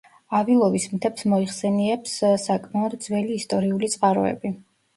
ავილოვის მთებს მოიხსენიებს საკმაოდ ძველი ისტორიული წყაროები.